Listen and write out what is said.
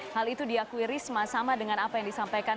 hal itu diakui risma sama dengan apa yang disampaikan